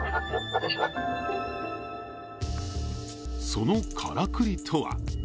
そのからくりとは。